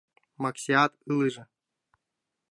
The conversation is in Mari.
Максиат ылыже.